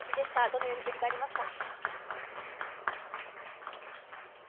どのように振り返りますか？